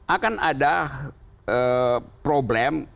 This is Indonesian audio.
akan ada problem